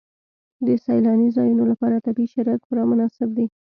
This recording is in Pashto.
د سیلاني ځایونو لپاره طبیعي شرایط خورا مناسب دي.